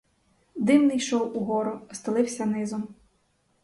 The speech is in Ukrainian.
Дим не йшов у гору, а стелився низом.